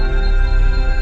ya udah deh